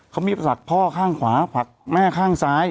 เขามีศักดิ์พ่อข้างขวาผลักแม่ข้างซ้าย